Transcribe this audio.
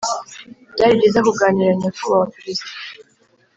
byari byiza kuganira nyakubahwa perezida